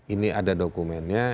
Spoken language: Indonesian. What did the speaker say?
ini ada dokumennya